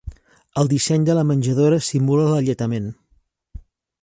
El disseny de la menjadora simula l'alletament.